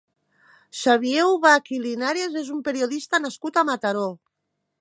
Xavier Ubach i Linares és un periodista nascut a Mataró.